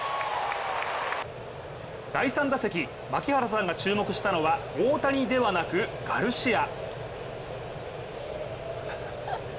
第３打席、槙原さんが注目したのは大谷ではなくガルシア。